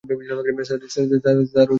Sir, ফয়জলের phone দেন।